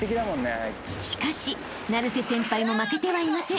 ［しかし成瀬先輩も負けてはいません］